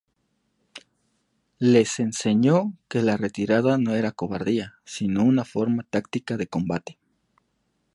Les enseñó que la retirada no era cobardía, sino una forma táctica de combate.